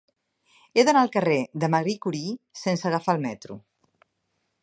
He d'anar al carrer de Marie Curie sense agafar el metro.